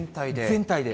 全体で。